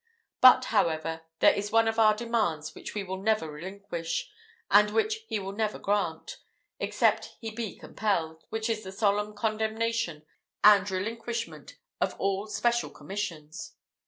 But, however, there is one of our demands which we will never relinquish, and which he will never grant, except he be compelled, which is the solemn condemnation and relinquishment of all special commissions."